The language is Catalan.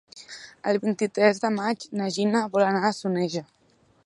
El vint-i-tres de maig na Gina vol anar a Soneja.